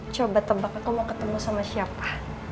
coba tebak aku mau ketemu sama siapa